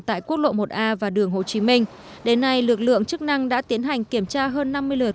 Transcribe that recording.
tại quốc lộ một a và đường hồ chí minh đến nay lực lượng chức năng đã tiến hành kiểm tra hơn năm mươi lượt